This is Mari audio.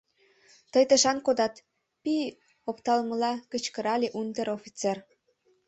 — Тый тышан кодат! — пий опталтымыла кычкырале унтер-офицер.